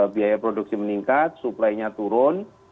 biaya produksi meningkat suplainya turun